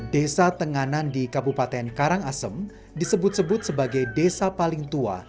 desa tenganan di kabupaten karangasem disebut sebut sebagai desa paling tua